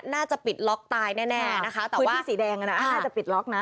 น่าจะปิดล็อกตายแน่แน่นะคะคือที่สีแดงอ่ะน่ะอ่าจะปิดล็อกน่ะ